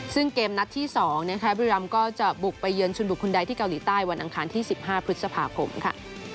ซึ่งเกมนัดที่สองเนี้ยคะบริรัมก็จะบุกไปเยินชุนบุคคุณใดที่เกาหลีใต้วันอังคารที่สิบห้าพฤษภาคมค่ะ